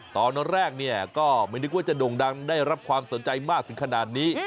ตอนแรกเนี่ยก็ไม่นึกว่าจะโด่งดังได้รับความสนใจมากถึงขนาดนี้